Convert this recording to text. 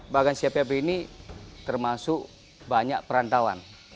bagansi api api ini termasuk banyak perantauan